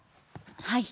はい。